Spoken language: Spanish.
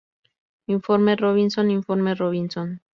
Informe Robinson Informe Robinson.